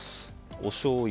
おしょうゆ。